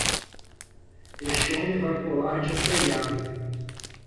Este homem vai pular de um telhado.